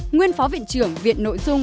nguyên phó viện trưởng viện nội dung